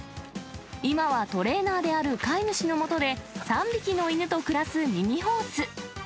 今はトレーナーである飼い主のもとで、３匹の犬と暮らすミニホース。